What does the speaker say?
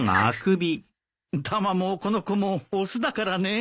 タマもこの子もオスだからね。